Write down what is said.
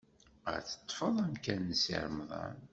Ad ṭṭfeɣ amkan n Si Remḍan.